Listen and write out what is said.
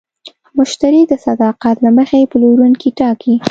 مشتری د صداقت له مخې پلورونکی ټاکي.